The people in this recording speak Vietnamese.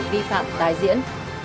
vi phạm tái diễn